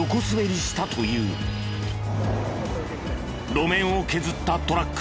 路面を削ったトラック。